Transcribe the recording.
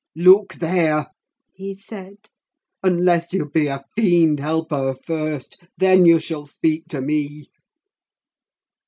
"Look there!" he said. "Unless you be a fiend, help her first—then you shall speak to me!"